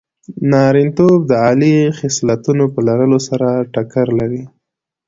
نارینتوب د عالي خصلتونو په لرلو سره ټکر لري.